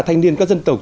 thanh niên các dân tộc